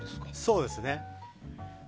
そうですね。